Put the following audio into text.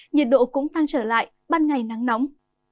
nhiệt độ cũng tăng trở lại ban ngày nắng nóng